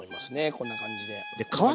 こんな感じで。